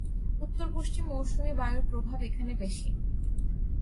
উত্তর-পশ্চিম মৌসুমী বায়ুর প্রভাব এখানে বেশি।